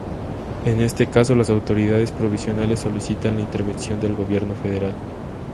En este caso, las autoridades provinciales solicitan la intervención del gobierno federal.